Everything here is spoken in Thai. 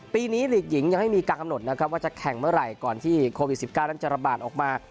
ปีนี้หลีกหญิงยังไม่มีการกำหนดนะครับว่าจะแข่งเมื่อไหร่ก่อนที่โควิด๑๙นั้นจะระบาดออกมา